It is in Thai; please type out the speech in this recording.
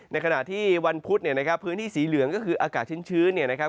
ในขณะที่วันพุธพื้นที่สีเหลืองก็คืออากาศชิ้นนะครับ